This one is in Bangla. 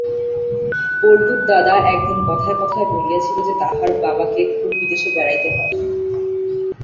পল্টুর দাদা একদিন কথায় কথায় বলিয়াছিল যে তাহার বাবাকে খুব বিদেশে বেড়াইতে হয়।